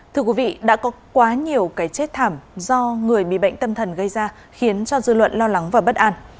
thưa quý vị đã có quá nhiều cái chết thảm do người bị bệnh tâm thần gây ra khiến cho dư luận lo lắng và bất an